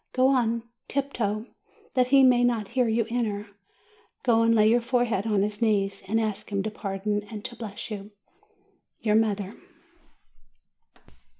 Go on tiptoe, so that he may not hear you enter ; go and lay your fore head on his knees, and ask him to pardon and to bless you. YOUR MOTHER.